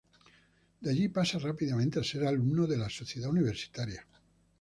De allí pasa rápidamente a ser alumno de la Sociedad Universitaria.